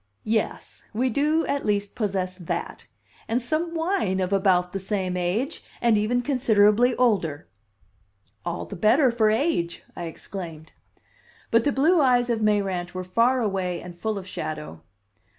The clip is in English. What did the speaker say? "Yes. We do at least possess that. And some wine of about the same date and even considerably older." "All the better for age," I exclaimed. But the blue eyes of Mayrant were far away and full of shadow.